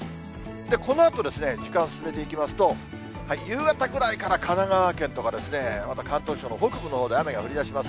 このあとですね、時間進めていきますと、夕方ぐらいから神奈川県とかですね、また関東地方の北部のほうで雨が降りだします。